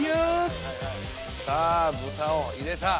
さあ豚を入れた。